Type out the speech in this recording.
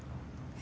え！